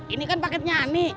ini kan paketnya ani